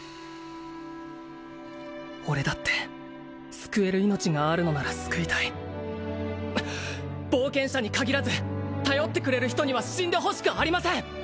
俺だって救える命があるのなら救いたい冒険者に限らず頼ってくれる人には死んでほしくありません！